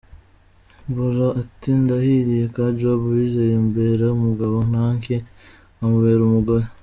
Bora ati; "Ndahiriye ko Job Uwizeye ambera umugabo nankye nkamubera umugore.